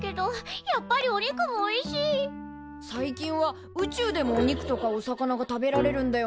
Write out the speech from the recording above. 最近は宇宙でもお肉とかお魚が食べられるんだよね。